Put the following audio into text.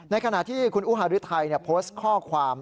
ขณะที่คุณอุฮารุทัยโพสต์ข้อความ